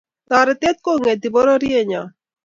Toretet kongeti bororiet nyo